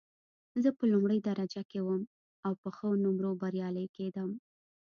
زه تل په لومړۍ درجه کې وم او په ښو نومرو بریالۍ کېدم